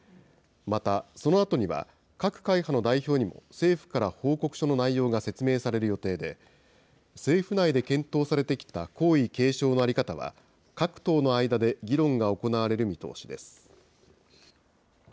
またそのあとには、各会派の代表にも政府から報告書の内容が説明される予定で、政府内で検討されてきた皇位継承の在り方は、各党の間で議論が行われる見通しです。